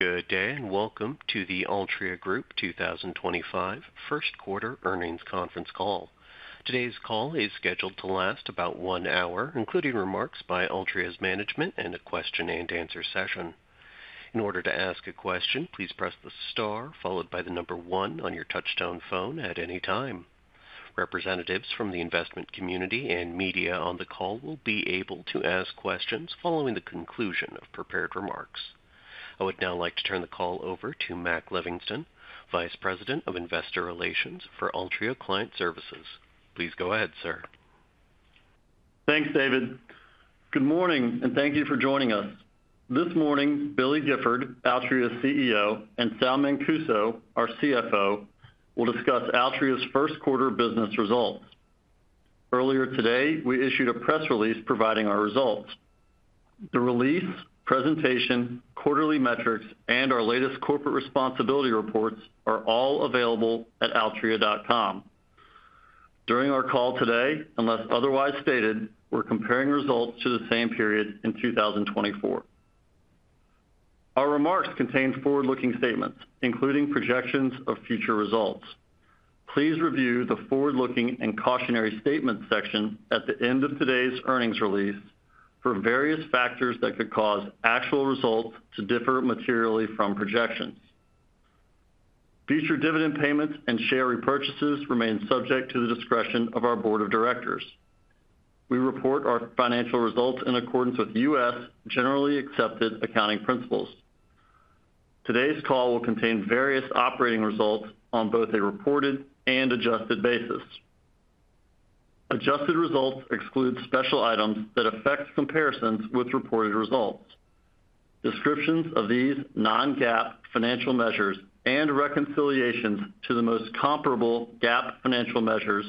Good day, and welcome to the Altria Group 2025 First Quarter Earnings Conference Call. Today's call is scheduled to last about one hour, including remarks by Altria's management and a question-and-answer session. In order to ask a question, please press the star followed by the number one on your touch-tone phone at any time. Representatives from the investment community and media on the call will be able to ask questions following the conclusion of prepared remarks. I would now like to turn the call over to Mac Livingston, Vice President of Investor Relations for Altria Client Services. Please go ahead, sir. Thanks, David. Good morning, and thank you for joining us. This morning, Billy Gifford, Altria's CEO, and Sal Mancuso, our CFO, will discuss Altria's first-quarter business results. Earlier today, we issued a press release providing our results. The release, presentation, quarterly metrics, and our latest corporate responsibility reports are all available at altria.com. During our call today, unless otherwise stated, we're comparing results to the same period in 2024. Our remarks contain forward-looking statements, including projections of future results. Please review the forward-looking and cautionary statements section at the end of today's earnings release for various factors that could cause actual results to differ materially from projections. Future dividend payments and share repurchases remain subject to the discretion of our board of directors. We report our financial results in accordance with U.S. generally accepted accounting principles. Today's call will contain various operating results on both a reported and adjusted basis. Adjusted results exclude special items that affect comparisons with reported results. Descriptions of these non-GAAP financial measures and reconciliations to the most comparable GAAP financial measures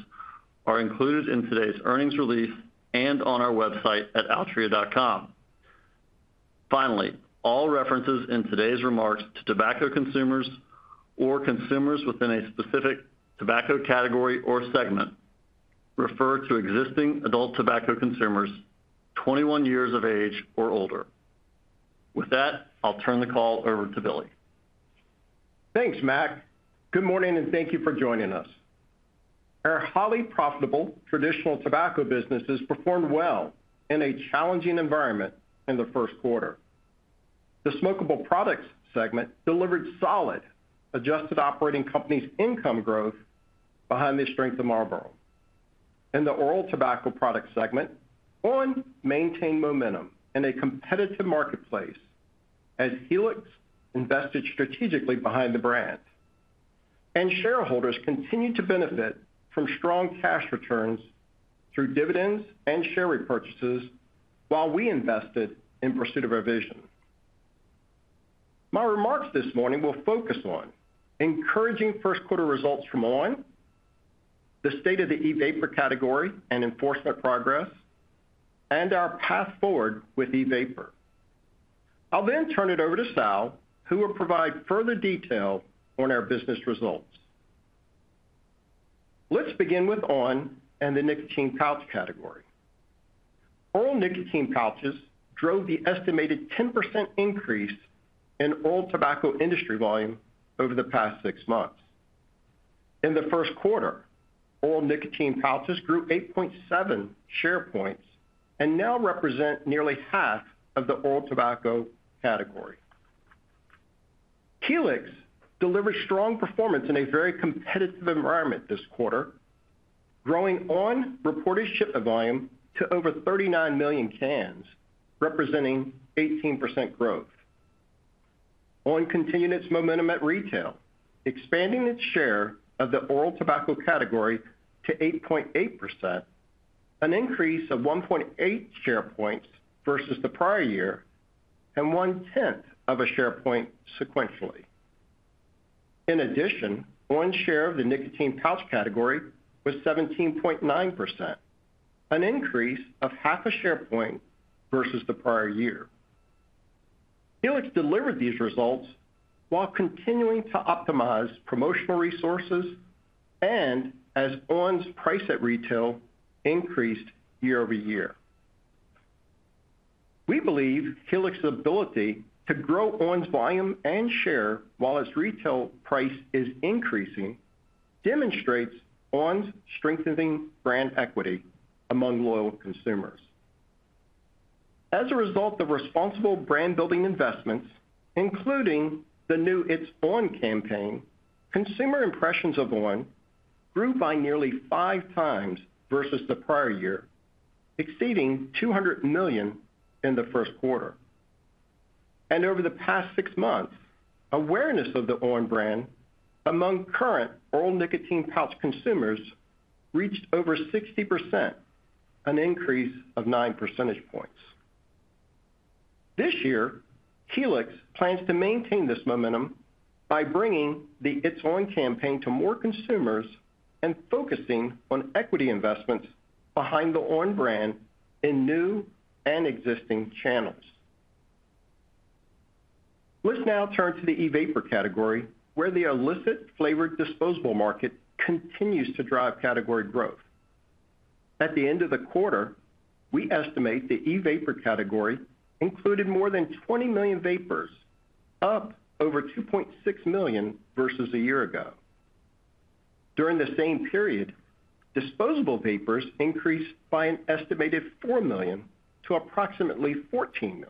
are included in today's earnings release and on our website at altria.com. Finally, all references in today's remarks to tobacco consumers or consumers within a specific tobacco category or segment refer to existing adult tobacco consumers 21 years of age or older. With that, I'll turn the call over to Billy. Thanks, Mac. Good morning, and thank you for joining us. Our highly profitable traditional tobacco businesses performed well in a challenging environment in the first quarter. The Smokable Products segment delivered solid adjusted Operating Companies Income growth behind the strength of Marlboro. In the Oral Tobacco Products segment, on! maintained momentum in a competitive marketplace as Helix invested strategically behind the brand, and shareholders continued to benefit from strong cash returns through dividends and share repurchases while we invested in pursuit of our vision. My remarks this morning will focus on encouraging first-quarter results from on!, the state of the e-vapor category and enforcement progress, and our path forward with e-vapor. I'll then turn it over to Sal, who will provide further detail on our business results. Let's begin with on! and the nicotine pouch category. Oral nicotine pouches drove the estimated 10% increase in oral tobacco industry volume over the past six months. In the first quarter, oral nicotine pouches grew 8.7 share points and now represent nearly half of the oral tobacco category. Helix delivered strong performance in a very competitive environment this quarter, growing on! reported shipment volume to over 39 million cans, representing 18% growth. on! continued its momentum at retail, expanding its share of the oral tobacco category to 8.8%, an increase of 1.8 share points versus the prior year, and one-tenth of a share point sequentially. In addition, on!'s share of the nicotine pouch category was 17.9%, an increase of half a share point versus the prior year. Helix delivered these results while continuing to optimize promotional resources and as on!'s price at retail increased year over year. We believe Helix's ability to grow on!'s volume and share while its retail price is increasing demonstrates on!'s strengthening brand equity among loyal consumers. As a result of responsible brand-building investments, including the new It's on! campaign, consumer impressions of on! grew by nearly five times versus the prior year, exceeding 200 million in the first quarter. Over the past six months, awareness of the on! brand among current oral nicotine pouch consumers reached over 60%, an increase of 9 percentage points. This year, Helix plans to maintain this momentum by bringing the It's on! campaign to more consumers and focusing on equity investments behind the on! brand in new and existing channels. Let's now turn to the e-vapor category, where the illicit-flavored disposable market continues to drive category growth. At the end of the quarter, we estimate the e-vapor category included more than 20 million vapers, up over 2.6 million versus a year ago. During the same period, disposable vapers increased by an estimated 4 million to approximately 14 million.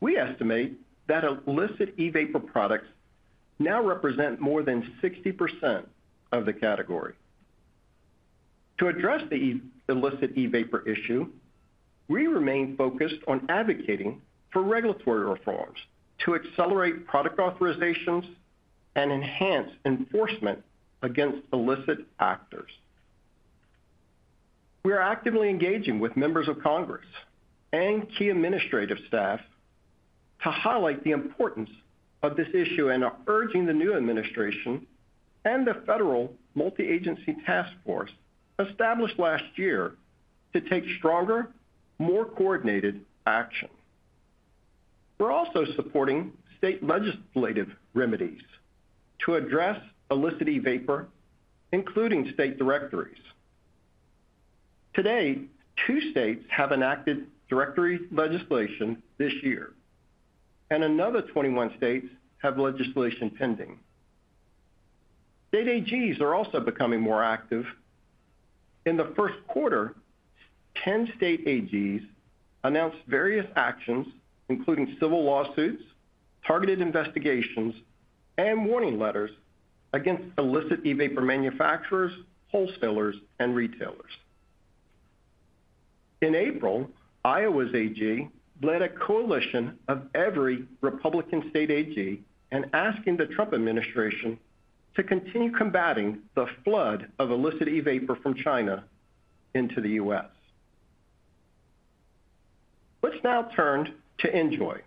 We estimate that illicit e-vapor products now represent more than 60% of the category. To address the illicit e-vapor issue, we remain focused on advocating for regulatory reforms to accelerate product authorizations and enhance enforcement against illicit actors. We are actively engaging with members of Congress and key administrative staff to highlight the importance of this issue and are urging the new administration and the federal multi-agency task force established last year to take stronger, more coordinated action. We're also supporting state legislative remedies to address illicit e-vapor, including state directories. Today, two states have enacted directory legislation this year, and another 21 states have legislation pending. State AGs are also becoming more active. In the first quarter, 10 state AGs announced various actions, including civil lawsuits, targeted investigations, and warning letters against illicit e-vapor manufacturers, wholesalers, and retailers. In April, Iowa's AG led a coalition of every Republican state AG in asking the Trump administration to continue combating the flood of illicit e-vapor from China into the U.S. Let's now turn to NJOY.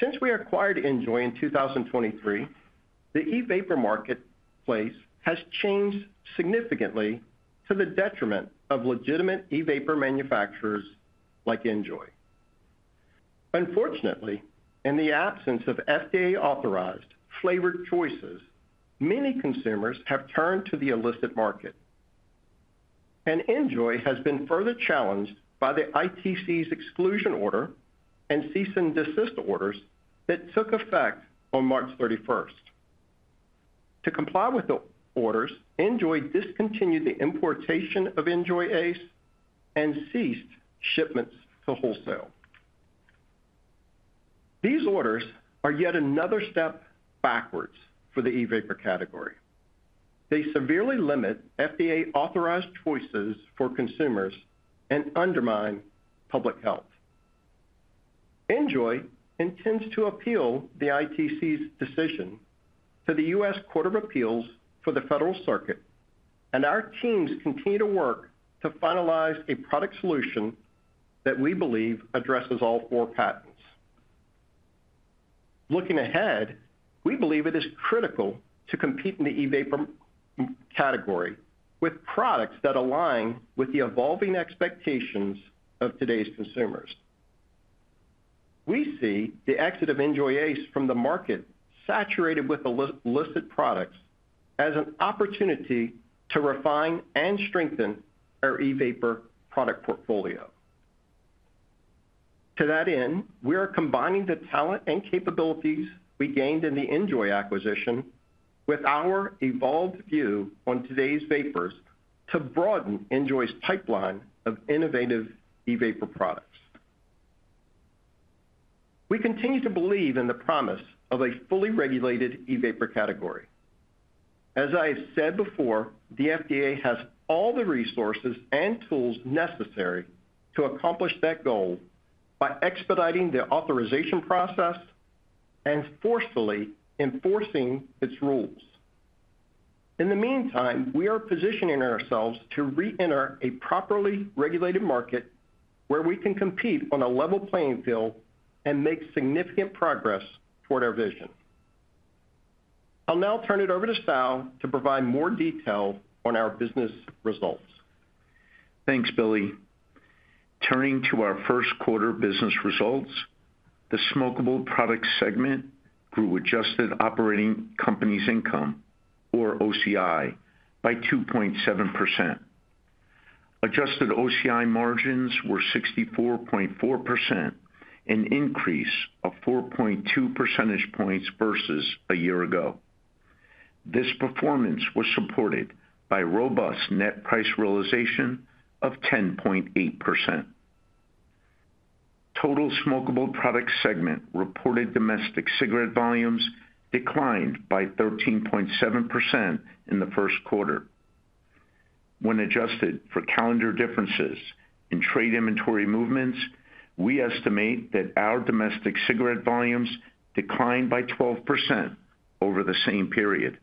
Since we acquired NJOY in 2023, the e-vapor marketplace has changed significantly to the detriment of legitimate e-vapor manufacturers like NJOY. Unfortunately, in the absence of FDA-authorized flavored choices, many consumers have turned to the illicit market. NJOY has been further challenged by the ITC's exclusion order and cease and desist orders that took effect on March 31. To comply with the orders, NJOY discontinued the importation of NJOY Ace and ceased shipments to wholesale. These orders are yet another step backwards for the e-vapor category. They severely limit FDA-authorized choices for consumers and undermine public health. NJOY intends to appeal the ITC's decision to the U.S. Court of Appeals for the Federal Circuit, and our teams continue to work to finalize a product solution that we believe addresses all four patents. Looking ahead, we believe it is critical to compete in the e-vapor category with products that align with the evolving expectations of today's consumers. We see the exit of NJOY Ace from the market saturated with illicit products as an opportunity to refine and strengthen our e-vapor product portfolio. To that end, we are combining the talent and capabilities we gained in the NJOY acquisition with our evolved view on today's vapers to broaden. NJOY's pipeline of innovative e-vapor products. We continue to believe in the promise of a fully regulated e-vapor category. As I have said before, the FDA has all the resourceUSs and tools necessary to accomplish that goal by expediting the authorization process and forcefully enforcing its rules. In the meantime, we are positioning ourselves to re-enter a properly regulated market where we can compete on a level playing field and make significant progress toward our vision. I'll now turn it over to Sal to provide more detail on our business results. Thanks, Billy. Turning to our first-quarter business results, the smokable product segment grew adjusted operating company's income, or OCI, by 2.7%. Adjusted OCI margins were 64.4%, an increase of 4.2 percentage points versus a year ago. This performance was supported by robust net price realization of 10.8%. Total smokable product segment reported domestic cigarette volumes declined by 13.7% in the first quarter. When adjusted for calendar differences in trade inventory movements, we estimate that our domestic cigarette volumes declined by 12% over the same period.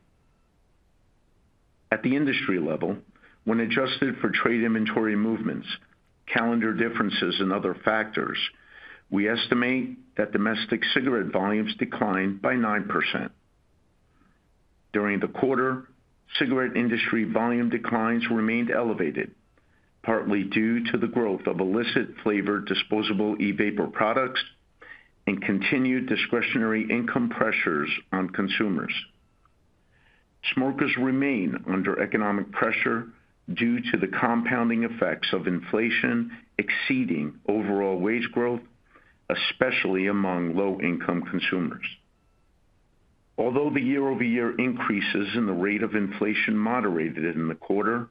At the industry level, when adjusted for trade inventory movements, calendar differences, and other factors, we estimate that domestic cigarette volumes declined by 9%. During the quarter, cigarette industry volume declines remained elevated, partly due to the growth of illicit-flavored disposable e-vapor products and continued discretionary income pressures on consumers. Smokers remain under economic pressure due to the compounding effects of inflation exceeding overall wage growth, especially among low-income consumers. Although the year-over-year increases in the rate of inflation moderated in the quarter,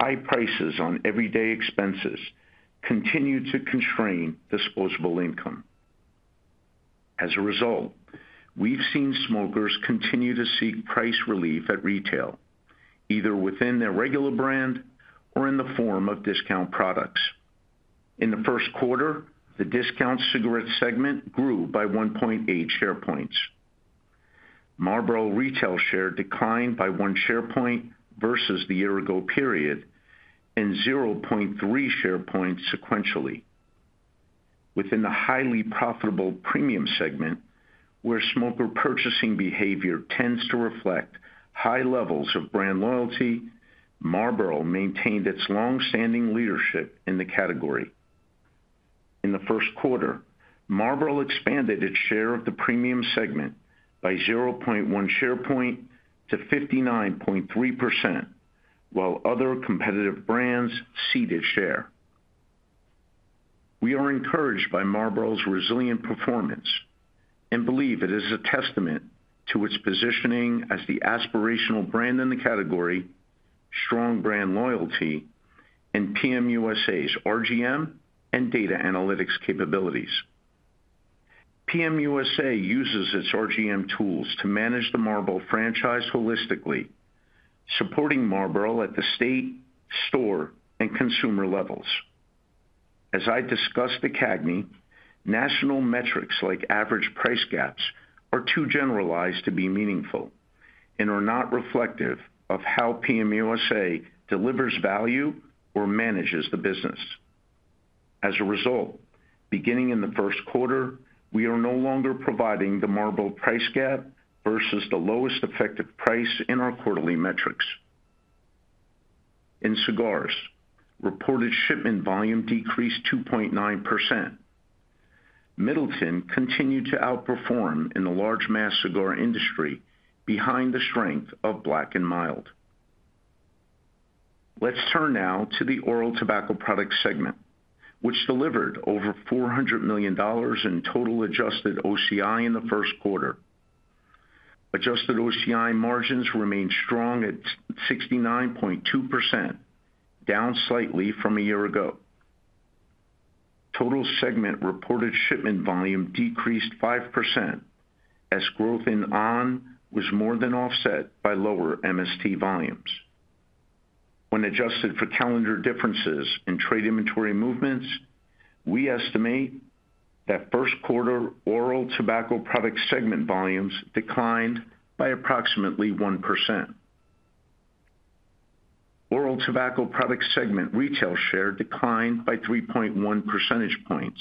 high prices on everyday expenses continue to constrain disposable income. As a result, we've seen smokers continue to seek price relief at retail, either within their regular brand or in the form of discount products. In the first quarter, the discount cigarette segment grew by 1.8 share points. Marlboro retail share declined by 1 share point versus the year-ago period and 0.3 share points sequentially. Within the highly profitable premium segment, where smoker purchasing behavior tends to reflect high levels of brand loyalty, Marlboro maintained its long-standing leadership in the category. In the first quarter, Marlboro expanded its share of the premium segment by 0.1 share point to 59.3%, while other competitive brands ceded share. We are encouraged by Marlboro's resilient performance and believe it is a testament to its positioning as the aspirational brand in the category, strong brand loyalty, and PMUSA's RGM and data analytics capabilities. PMUSA uses its RGM tools to manage the Marlboro franchise holistically, supporting Marlboro at the state, store, and consumer levels. As I discussed at CAGNY, national metrics like average price gaps are too generalized to be meaningful and are not reflective of how PMUSA delivers value or manages the business. As a result, beginning in the first quarter, we are no longer providing the Marlboro price gap versus the lowest effective price in our quarterly metrics. In cigars, reported shipment volume decreased 2.9%. Middleton continued to outperform in the large mass cigar industry, behind the strength of Black & Mild. Let's turn now to the oral tobacco product segment, which delivered over $400 million in total adjusted OCI in the first quarter. Adjusted OCI margins remained strong at 69.2%, down slightly from a year ago. Total segment reported shipment volume decreased 5% as growth in on! was more than offset by lower MST volumes. When adjusted for calendar differences in trade inventory movements, we estimate that first-quarter oral tobacco product segment volumes declined by approximately 1%. Oral tobacco product segment retail share declined by 3.1 percentage points,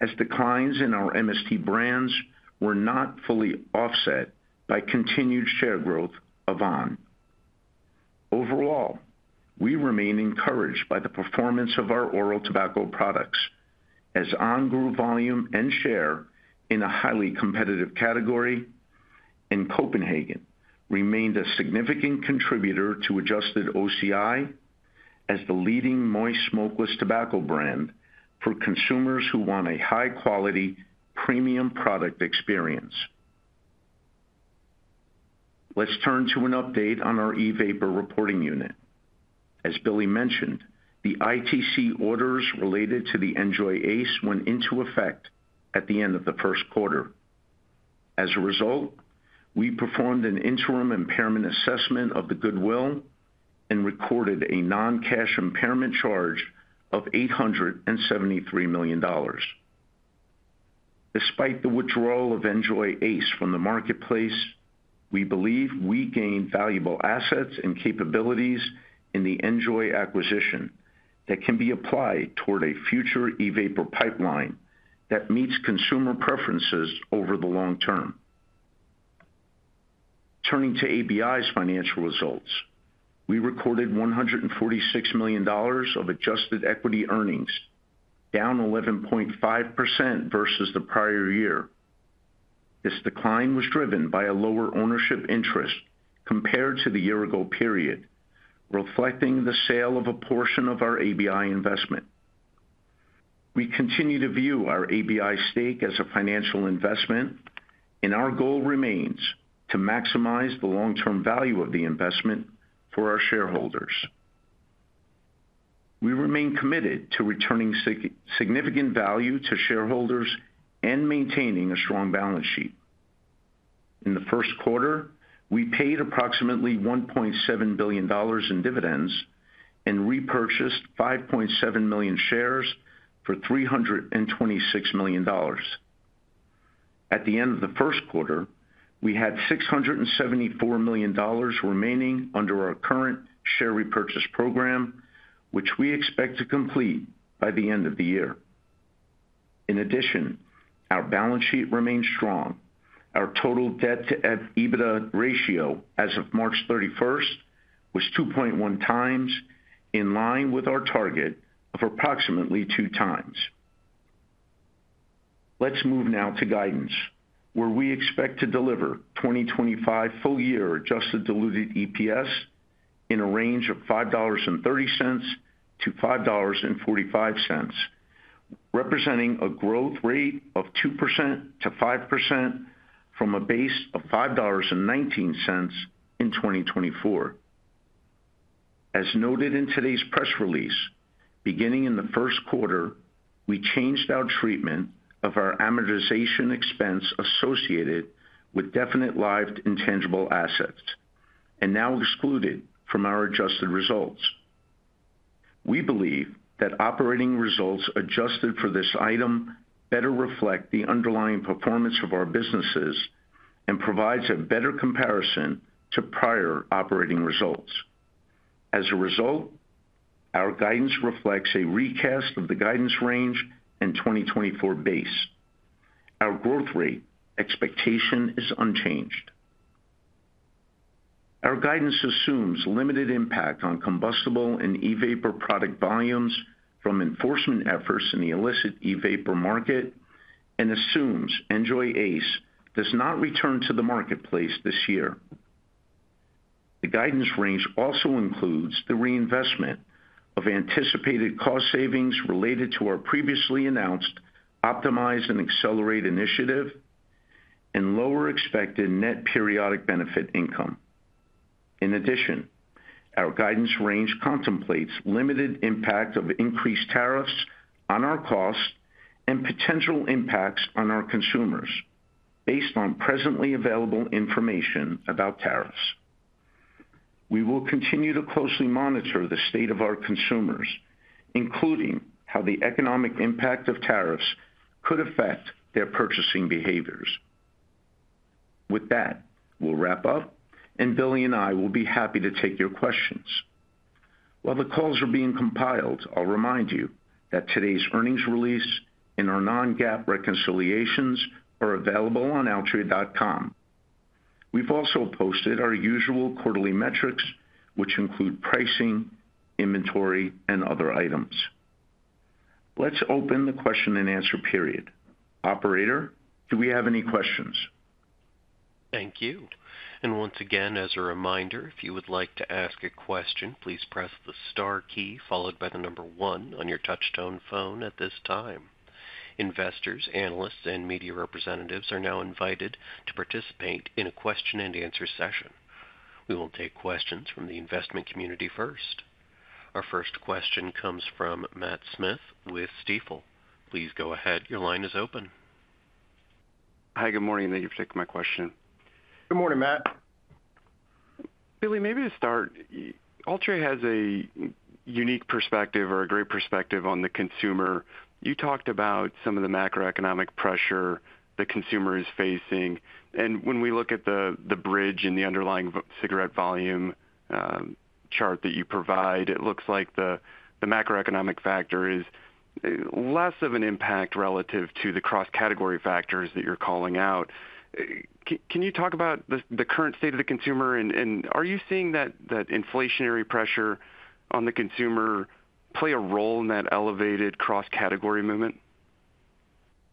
as declines in our MST brands were not fully offset by continued share growth of on!. Overall, we remain encouraged by the performance of our oral tobacco products, as on! grew volume and share in a highly competitive category, and Copenhagen remained a significant contributor to adjusted OCI as the leading moist smokeless tobacco brand for consumers who want a high-quality, premium product experience. Let's turn to an update on our e-vapor reporting unit. As Billy mentioned, the ITC orders related to the NJOY Ace went into effect at the end of the first quarter. As a result, we performed an interim impairment assessment of the goodwill and recorded a non-cash impairment charge of $873 million. Despite the withdrawal of NJOY Ace from the marketplace, we believe we gained valuable assets and capabilities in the NJOY acquisition that can be applied toward a future e-vapor pipeline that meets consumer preferences over the long term. Turning to ABI's financial results, we recorded $146 million of adjusted equity earnings, down 11.5% versus the prior year. This decline was driven by a lower ownership interest compared to the year-ago period, reflecting the sale of a portion of our ABI investment. We continue to view our ABI stake as a financial investment, and our goal remains to maximize the long-term value of the investment for our shareholders. We remain committed to returning significant value to shareholders and maintaining a strong balance sheet. In the first quarter, we paid approximately $1.7 billion in dividends and repurchased 5.7 million shares for $326 million. At the end of the first quarter, we had $674 million remaining under our current share repurchase program, which we expect to complete by the end of the year. In addition, our balance sheet remains strong. Our total debt-to-EBITDA ratio as of March 31 was 2.1 times, in line with our target of approximately 2 times. Let's move now to guidance, where we expect to deliver 2025 full-year adjusted diluted EPS in a range of $5.30-$5.45, representing a growth rate of 2%-5% from a base of $5.19 in 2024. As noted in today's press release, beginning in the first quarter, we changed our treatment of our amortization expense associated with definite life intangible assets and now exclude it from our adjusted results. We believe that operating results adjusted for this item better reflect the underlying performance of our businesses and provide a better comparison to prior operating results. As a result, our guidance reflects a recast of the guidance range and 2024 base. Our growth rate expectation is unchanged. Our guidance assumes limited impact on combustible and e-vapor product volumes from enforcement efforts in the illicit e-vapor market and assumes NJOY Ace does not return to the marketplace this year. The guidance range also includes the reinvestment of anticipated cost savings related to our previously announced Optimize and Accelerate initiative and lower expected net periodic benefit income. In addition, our guidance range contemplates limited impact of increased tariffs on our costs and potential impacts on our consumers, based on presently available information about tariffs. We will continue to closely monitor the state of our consumers, including how the economic impact of tariffs could affect their purchasing behaviors. With that, we'll wrap up, and Billy and I will be happy to take your questions. While the calls are being compiled, I'll remind you that today's earnings release and our non-GAAP reconciliations are available on altria.com. We've also posted our usual quarterly metrics, which include pricing, inventory, and other items. Let's open the question and answer period. Operator, do we have any questions? Thank you. As a reminder, if you would like to ask a question, please press the star key followed by the number one on your touch-tone phone at this time. Investors, analysts, and media representatives are now invited to participate in a question and answer session. We will take questions from the investment community first. Our first question comes from Matt Smith with Stifel. Please go ahead. Your line is open. Hi, good morning. Thank you for taking my question. Good morning, Matt. Billy, maybe to start, Altria has a unique perspective or a great perspective on the consumer. You talked about some of the macroeconomic pressure the consumer is facing. When we look at the Bridge and the underlying cigarette volume chart that you provide, it looks like the macroeconomic factor is less of an impact relative to the cross-category factors that you're calling out. Can you talk about the current state of the consumer? Are you seeing that inflationary pressure on the consumer play a role in that elevated cross-category movement?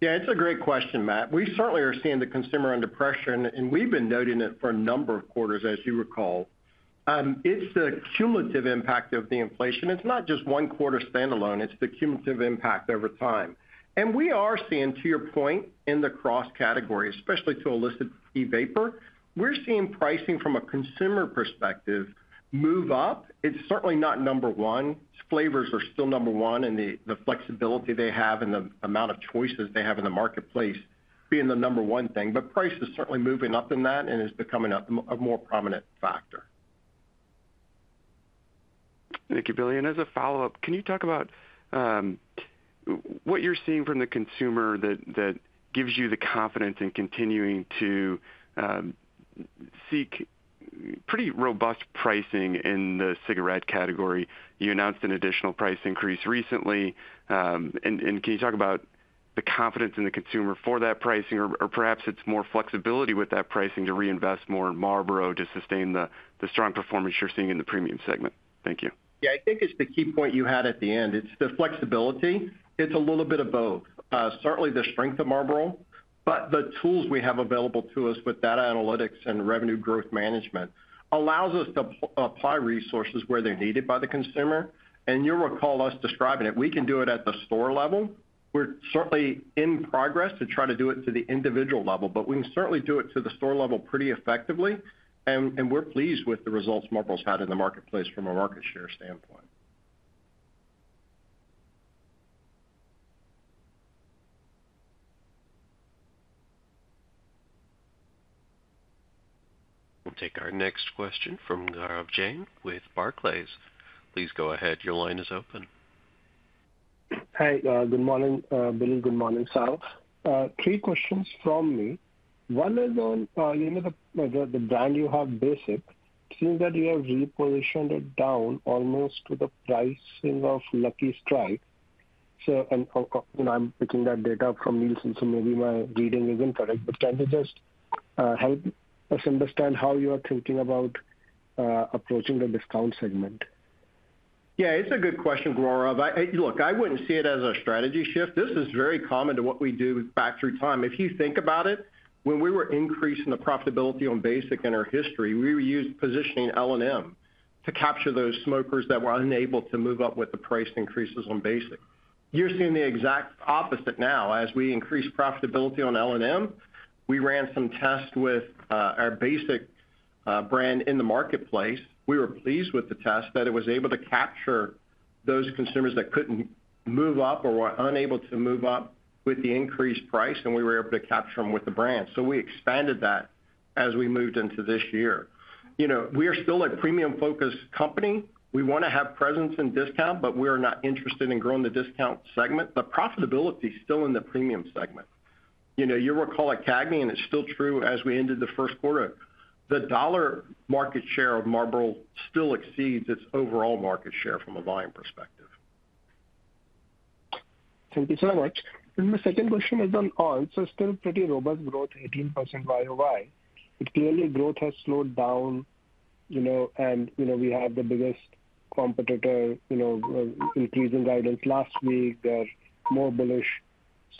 Yeah, it's a great question, Matt. We certainly are seeing the consumer under pressure, and we've been noting it for a number of quarters, as you recall. It's the cumulative impact of the inflation. It's not just one quarter standalone. It's the cumulative impact over time. We are seeing, to your point, in the cross-category, especially to illicit e-vapor, we're seeing pricing from a consumer perspective move up. It's certainly not number one. Flavors are still number one, and the flexibility they have and the amount of choices they have in the marketplace being the number one thing. Price is certainly moving up in that and is becoming a more prominent factor. Thank you, Billy. As a follow-up, can you talk about what you're seeing from the consumer that gives you the confidence in continuing to seek pretty robust pricing in the cigarette category? You announced an additional price increase recently. Can you talk about the confidence in the consumer for that pricing, or perhaps it's more flexibility with that pricing to reinvest more in Marlboro to sustain the strong performance you're seeing in the premium segment? Thank you. Yeah, I think it's the key point you had at the end. It's the flexibility. It's a little bit of both. Certainly, the strength of Marlboro, but the tools we have available to us with data analytics and revenue growth management allows us to apply resources where they're needed by the consumer. You'll recall us describing it. We can do it at the store level. We're certainly in progress to try to do it to the individual level, but we can certainly do it to the store level pretty effectively. We're pleased with the results Marlboro's had in the marketplace from a market share standpoint. We'll take our next question from Gaurav Jain with Barclays. Please go ahead. Your line is open. Hi, good morning, Billy. Good morning, Sal. Three questions from me. One is on the brand you have, Basic, seeing that you have repositioned it down almost to the pricing of Lucky Strike. I am picking that data from Nielsen, so maybe my reading is not correct, but can you just help us understand how you are thinking about approaching the discount segment? Yeah, it's a good question, Gaurav. Look, I wouldn't see it as a strategy shift. This is very common to what we do back through time. If you think about it, when we were increasing the profitability on Basic in our history, we were positioning L&M to capture those smokers that were unable to move up with the price increases on Basic. You're seeing the exact opposite now. As we increased profitability on L&M, we ran some tests with our Basic brand in the marketplace. We were pleased with the test that it was able to capture those consumers that couldn't move up or were unable to move up with the increased price, and we were able to capture them with the brand. We expanded that as we moved into this year. We are still a premium-focused company. We want to have presence in discount, but we are not interested in growing the discount segment. The profitability is still in the premium segment. You'll recall at CAGNY, and it's still true as we ended the first quarter, the dollar market share of Marlboro still exceeds its overall market share from a volume perspective. Thank you so much. My second question is on on!. Still pretty robust growth, 18% YOY. Clearly, growth has slowed down, and we have the biggest competitor increasing guidance last week. They're more bullish.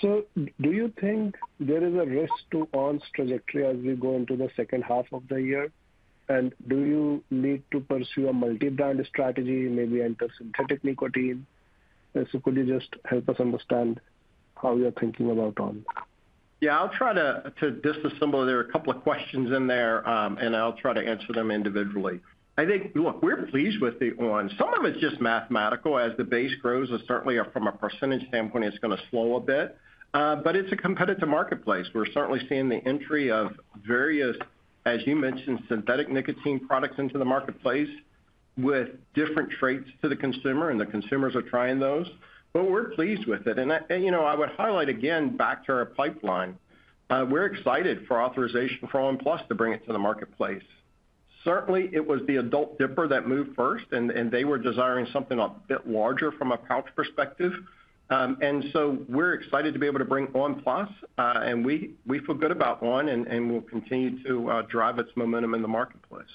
Do you think there is a risk to on!'s trajectory as we go into the second half of the year? Do you need to pursue a multi-brand strategy, maybe enter synthetic nicotine? Could you just help us understand how you're thinking about on!? Yeah, I'll try to disassemble there. There are a couple of questions in there, and I'll try to answer them individually. I think, look, we're pleased with the on!. Some of it's just mathematical. As the base grows, certainly from a percentage standpoint, it's going to slow a bit. It's a competitive marketplace. We're certainly seeing the entry of various, as you mentioned, synthetic nicotine products into the marketplace with different traits to the consumer, and the consumers are trying those. We're pleased with it. I would highlight again, back to our pipeline, we're excited for authorization for on! Plus to bring it to the marketplace. Certainly, it was the adult dipper that moved first, and they were desiring something a bit larger from a pouch perspective. We are excited to be able to bring on! Plus, and we feel good about on!, and we will continue to drive its momentum in the marketplace.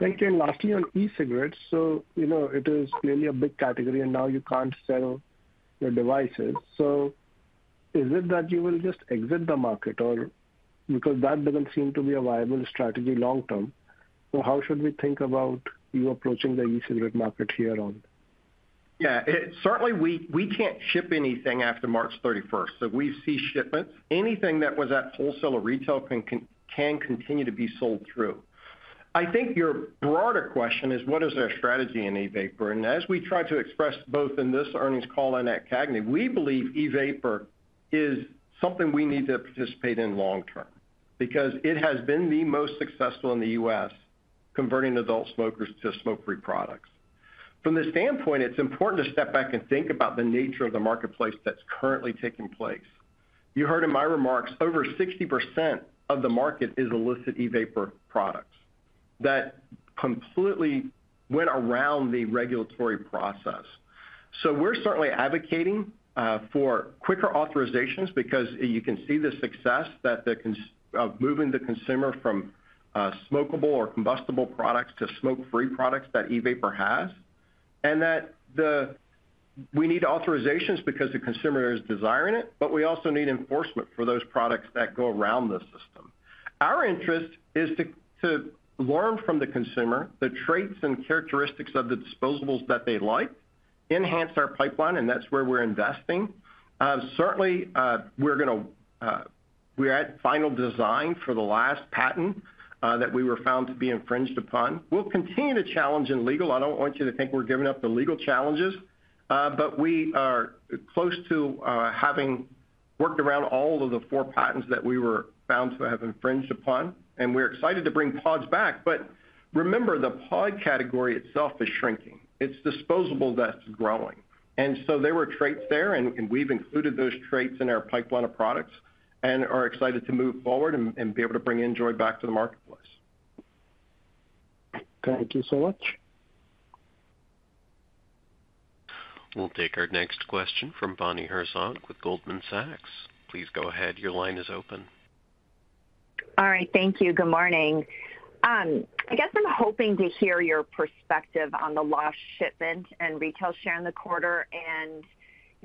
Thank you. Lastly, on e-cigarettes, it is clearly a big category, and now you can't sell your devices. Is it that you will just exit the market because that does not seem to be a viable strategy long term? How should we think about you approaching the e-cigarette market here on? Yeah, certainly, we can't ship anything after March 31. We've seen shipments. Anything that was at wholesale or retail can continue to be sold through. I think your broader question is, what is our strategy in e-vapor? As we tried to express both in this earnings call and at CAGNY, we believe e-vapor is something we need to participate in long term because it has been the most successful in the U.S. converting adult smokers to smoke-free products. From this standpoint, it's important to step back and think about the nature of the marketplace that's currently taking place. You heard in my remarks, over 60% of the market is illicit e-vapor products that completely went around the regulatory process. We're certainly advocating for quicker authorizations because you can see the success of moving the consumer from smokable or combustible products to smoke-free products that e-vapor has. We need authorizations because the consumer is desiring it, but we also need enforcement for those products that go around the system. Our interest is to learn from the consumer the traits and characteristics of the disposables that they like, enhance our pipeline, and that is where we are investing. Certainly, we are at final design for the last patent that we were found to be infringed upon. We will continue to challenge in legal. I do not want you to think we are giving up the legal challenges, but we are close to having worked around all of the four patents that we were found to have infringed upon. We are excited to bring PODs back. Remember, the POD category itself is shrinking. It is disposable that is growing. There were traits there, and we have included those traits in our pipeline of products and are excited to move forward and be able to bring NJOY back to the marketplace. Thank you so much. We'll take our next question from Bonnie Herzog with Goldman Sachs. Please go ahead. Your line is open. All right. Thank you. Good morning. I guess I'm hoping to hear your perspective on the lost shipment and retail share in the quarter and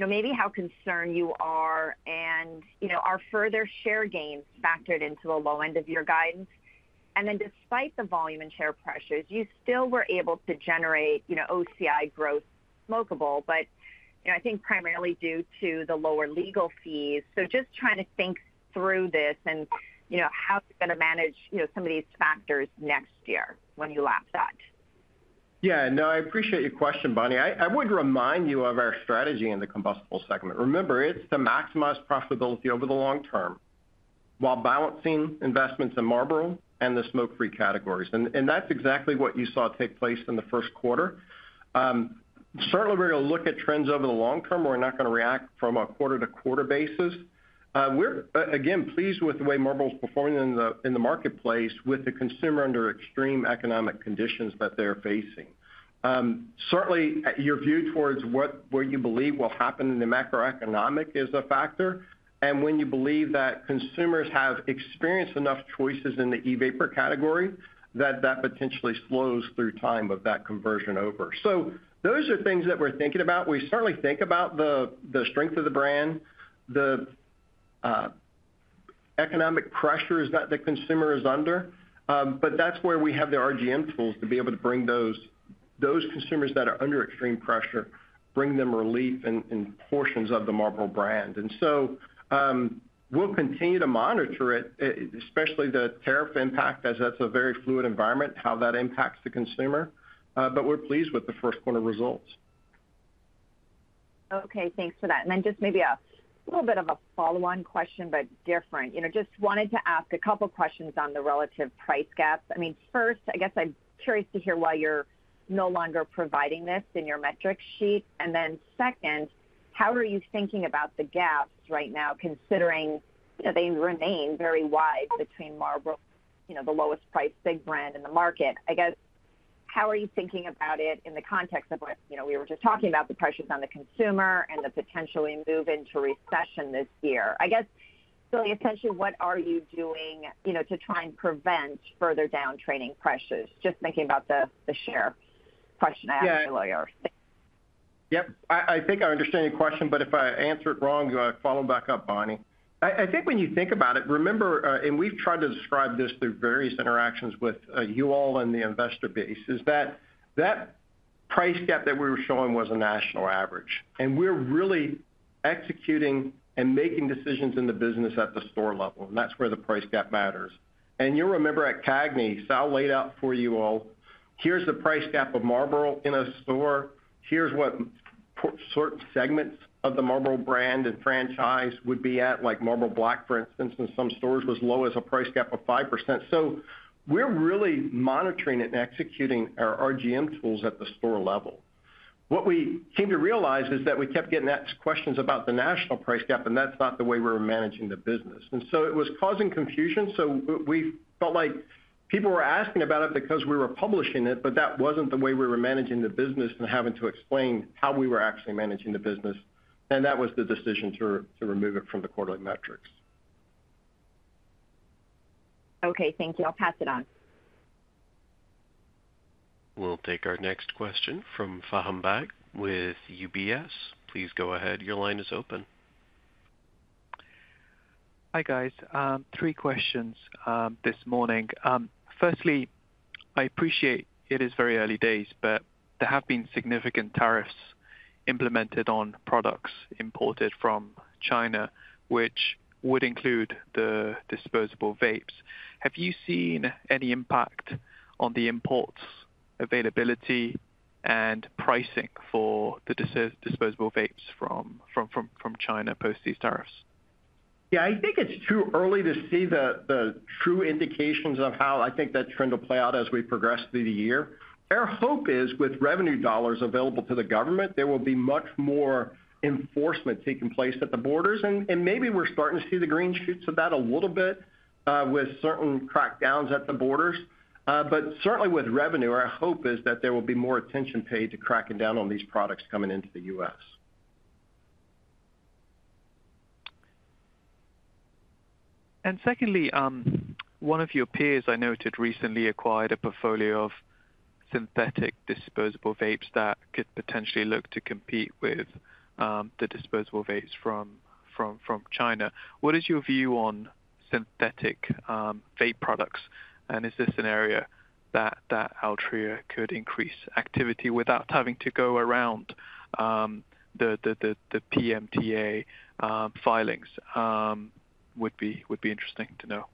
maybe how concerned you are and are further share gains factored into the low end of your guidance. Despite the volume and share pressures, you still were able to generate OCI growth smokable, but I think primarily due to the lower legal fees. Just trying to think through this and how you're going to manage some of these factors next year when you laugh that. Yeah, no, I appreciate your question, Bonnie. I would remind you of our strategy in the combustible segment. Remember, it's to maximize profitability over the long term while balancing investments in Marlboro and the smoke-free categories. That's exactly what you saw take place in the first quarter. Certainly, we're going to look at trends over the long term. We're not going to react from a quarter-to-quarter basis. We're, again, pleased with the way Marlboro is performing in the marketplace with the consumer under extreme economic conditions that they're facing. Certainly, your view towards what you believe will happen in the macroeconomic is a factor. When you believe that consumers have experienced enough choices in the e-vapor category, that that potentially slows through time of that conversion over. Those are things that we're thinking about. We certainly think about the strength of the brand, the economic pressures that the consumer is under. That is where we have the RGM tools to be able to bring those consumers that are under extreme pressure, bring them relief in portions of the Marlboro brand. We will continue to monitor it, especially the tariff impact, as that is a very fluid environment, how that impacts the consumer. We are pleased with the first quarter results. Okay, thanks for that. Just maybe a little bit of a follow-on question, but different. Just wanted to ask a couple of questions on the relative price gaps. I mean, first, I guess I'm curious to hear why you're no longer providing this in your metric sheet. Second, how are you thinking about the gaps right now, considering they remain very wide between Marlboro, the lowest-priced big brand in the market? I guess, how are you thinking about it in the context of what we were just talking about, the pressures on the consumer and the potentially move into recession this year? I guess, Billy, essentially, what are you doing to try and prevent further downtrading pressures? Just thinking about the share question I asked earlier. Yeah, I think I understand your question, but if I answer it wrong, follow back up, Bonnie. I think when you think about it, remember, and we've tried to describe this through various interactions with you all and the investor base, is that that price gap that we were showing was a national average. We're really executing and making decisions in the business at the store level. That's where the price gap matters. You'll remember at CAGNY, Sal laid out for you all, here's the price gap of Marlboro in a store. Here's what certain segments of the Marlboro brand and franchise would be at, like Marlboro Black, for instance, in some stores was as low as a price gap of 5%. We're really monitoring it and executing our RGM tools at the store level. What we came to realize is that we kept getting asked questions about the national price gap, and that is not the way we were managing the business. It was causing confusion. We felt like people were asking about it because we were publishing it, but that was not the way we were managing the business and having to explain how we were actually managing the business. That was the decision to remove it from the quarterly metrics. Okay, thank you. I'll pass it on. We'll take our next question from Faham Baig with UBS. Please go ahead. Your line is open. Hi guys. Three questions this morning. Firstly, I appreciate it is very early days, but there have been significant tariffs implemented on products imported from China, which would include the disposable vapes. Have you seen any impact on the imports, availability, and pricing for the disposable vapes from China post these tariffs? Yeah, I think it's too early to see the true indications of how I think that trend will play out as we progress through the year. Our hope is with revenue dollars available to the government, there will be much more enforcement taking place at the borders. Maybe we're starting to see the green shoots of that a little bit with certain crackdowns at the borders. Certainly with revenue, our hope is that there will be more attention paid to cracking down on these products coming into the U.S. One of your peers I noted recently acquired a portfolio of synthetic disposable vapes that could potentially look to compete with the disposable vapes from China. What is your view on synthetic vape products? Is this an area that Altria could increase activity without having to go around the PMTA filings? Would be interesting to know.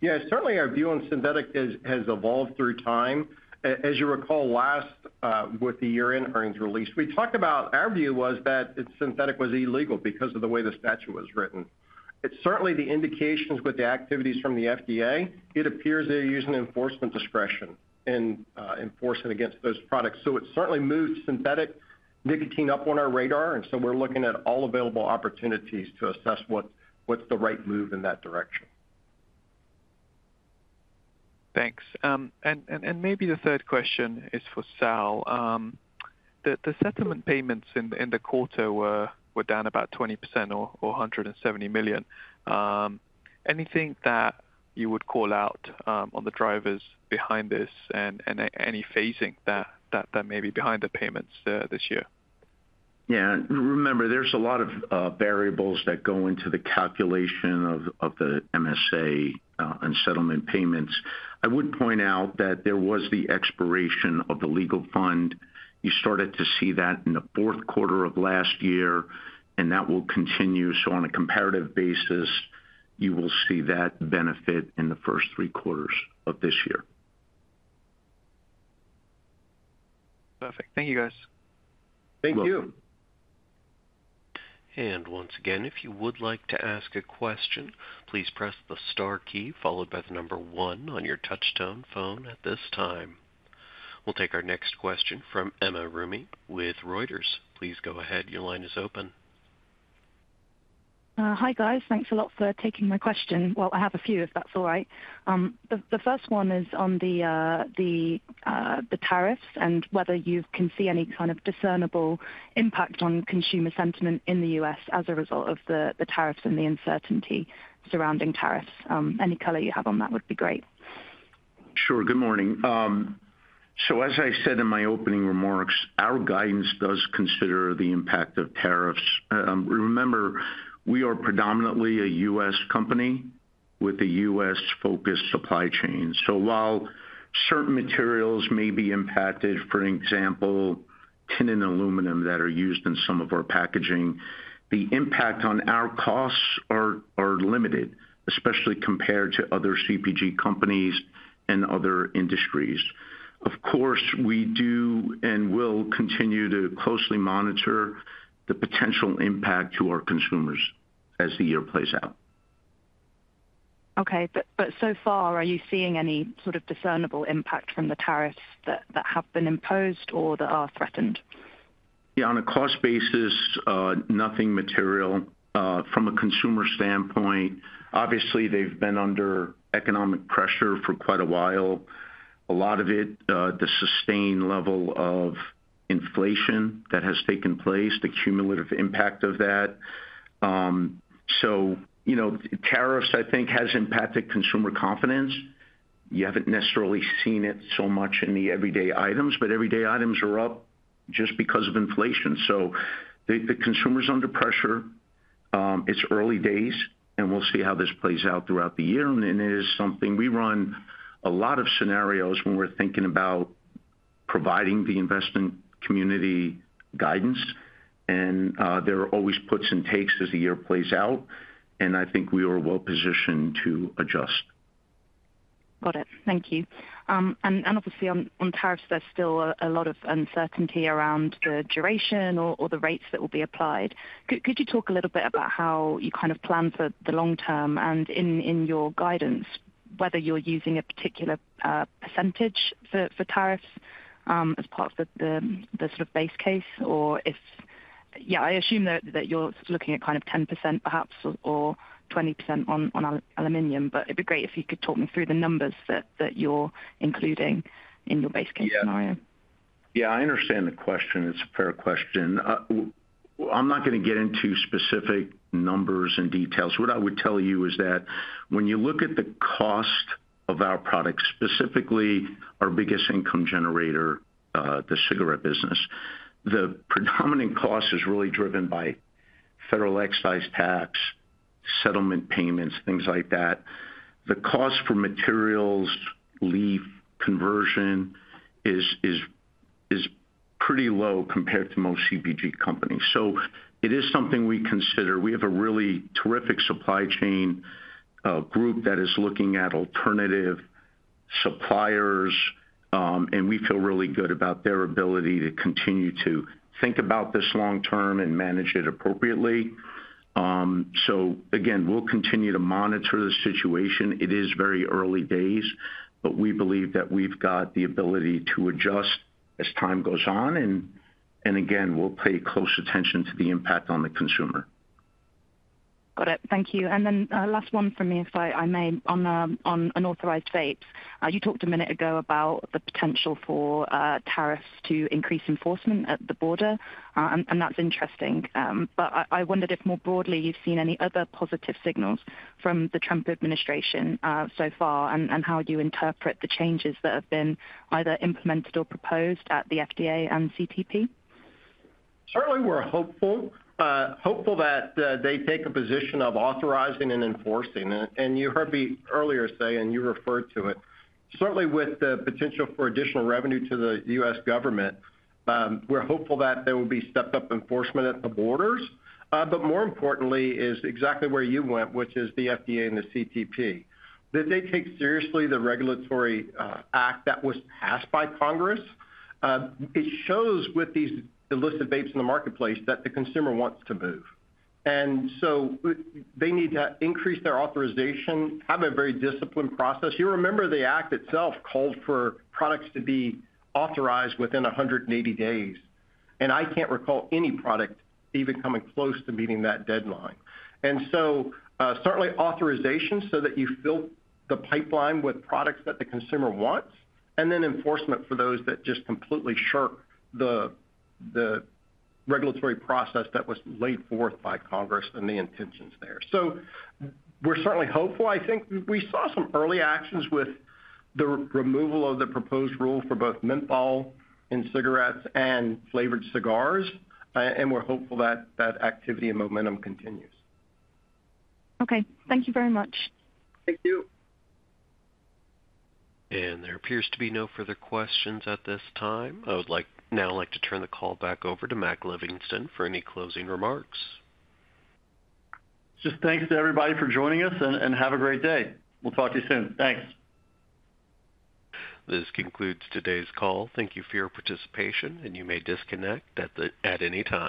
Yeah, certainly our view on synthetic has evolved through time. As you recall, last with the year-end earnings release, we talked about our view was that synthetic was illegal because of the way the statute was written. It is certainly the indications with the activities from the FDA. It appears they are using enforcement discretion in enforcing against those products. It certainly moved synthetic nicotine up on our radar. We are looking at all available opportunities to assess what is the right move in that direction. Thanks. Maybe the third question is for Sal. The settlement payments in the quarter were down about 20% or $170 million. Anything that you would call out on the drivers behind this and any phasing that may be behind the payments this year? Yeah, remember, there's a lot of variables that go into the calculation of the MSA and settlement payments. I would point out that there was the expiration of the legal fund. You started to see that in the fourth quarter of last year, and that will continue. On a comparative basis, you will see that benefit in the first three quarters of this year. Perfect. Thank you, guys. Thank you. If you would like to ask a question, please press the star key followed by the number one on your touch-tone phone at this time. We'll take our next question from Emma Rumney with Reuters. Please go ahead. Your line is open. Hi guys. Thanks a lot for taking my question. I have a few, if that's all right. The first one is on the tariffs and whether you can see any kind of discernible impact on consumer sentiment in the U.S. as a result of the tariffs and the uncertainty surrounding tariffs. Any color you have on that would be great. Sure. Good morning. As I said in my opening remarks, our guidance does consider the impact of tariffs. Remember, we are predominantly a U.S. company with a U.S.-focused supply chain. While certain materials may be impacted, for example, tin and aluminum that are used in some of our packaging, the impact on our costs are limited, especially compared to other CPG companies and other industries. Of course, we do and will continue to closely monitor the potential impact to our consumers as the year plays out. Okay, so far, are you seeing any sort of discernible impact from the tariffs that have been imposed or that are threatened? Yeah, on a cost basis, nothing material from a consumer standpoint. Obviously, they've been under economic pressure for quite a while. A lot of it, the sustained level of inflation that has taken place, the cumulative impact of that. Tariffs, I think, have impacted consumer confidence. You haven't necessarily seen it so much in the everyday items, but everyday items are up just because of inflation. The consumer's under pressure. It's early days, and we'll see how this plays out throughout the year. It is something we run a lot of scenarios when we're thinking about providing the investment community guidance. There are always puts and takes as the year plays out. I think we are well positioned to adjust. Got it. Thank you. Obviously, on tariffs, there's still a lot of uncertainty around the duration or the rates that will be applied. Could you talk a little bit about how you kind of plan for the long term and in your guidance, whether you're using a particular percentage for tariffs as part of the sort of base case or if, yeah, I assume that you're looking at kind of 10% perhaps or 20% on aluminum, but it'd be great if you could talk me through the numbers that you're including in your base case scenario. Yeah, I understand the question. It's a fair question. I'm not going to get into specific numbers and details. What I would tell you is that when you look at the cost of our products, specifically our biggest income generator, the cigarette business, the predominant cost is really driven by federal excise tax, settlement payments, things like that. The cost for materials, leaf conversion is pretty low compared to most CPG companies. It is something we consider. We have a really terrific supply chain group that is looking at alternative suppliers, and we feel really good about their ability to continue to think about this long term and manage it appropriately. We will continue to monitor the situation. It is very early days, but we believe that we've got the ability to adjust as time goes on. We will pay close attention to the impact on the consumer. Got it. Thank you. Last one from me, if I may, on unauthorized vapes. You talked a minute ago about the potential for tariffs to increase enforcement at the border. That is interesting. I wondered if more broadly, you've seen any other positive signals from the Trump administration so far and how you interpret the changes that have been either implemented or proposed at the FDA and CTP? Certainly, we're hopeful that they take a position of authorizing and enforcing. You heard me earlier say, and you referred to it. Certainly, with the potential for additional revenue to the U.S. government, we're hopeful that there will be stepped-up enforcement at the borders. More importantly is exactly where you went, which is the FDA and the CTP, that they take seriously the regulatory act that was passed by Congress. It shows with these illicit vapes in the marketplace that the consumer wants to move. They need to increase their authorization, have a very disciplined process. You remember the act itself called for products to be authorized within 180 days. I can't recall any product even coming close to meeting that deadline. Certainly, authorization so that you fill the pipeline with products that the consumer wants, and then enforcement for those that just completely shirk the regulatory process that was laid forth by Congress and the intentions there. We are certainly hopeful. I think we saw some early actions with the removal of the proposed rule for both menthol in cigarettes and flavored cigars. We are hopeful that that activity and momentum continues. Okay. Thank you very much. Thank you. There appears to be no further questions at this time. I would now like to turn the call back over to Mac Livingston for any closing remarks. Just thanks to everybody for joining us and have a great day. We'll talk to you soon. Thanks. This concludes today's call. Thank you for your participation, and you may disconnect at any time.